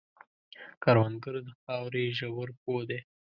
کروندګر د خاورې ژور پوه دی